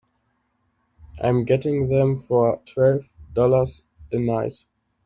I'm getting them for twelve dollars a night.